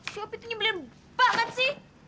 siapa itu nyembelin banget sih